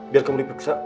biar kamu dipiksa